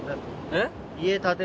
えっ？